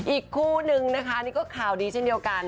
อีกคู่นึงนะคะนี่ก็ข่าวดีเช่นเดียวกัน